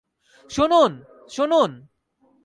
শুনুন, শুনুন।